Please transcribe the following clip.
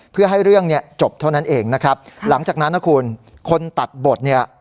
เพื่อให้เรื่องเนี่ยจบเท่านั้นเองนะครับหลังจากนั้นนะคุณคนตัดบทเนี่ย